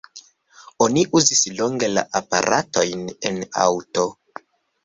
Oni uzis longe la aparatojn en aŭto.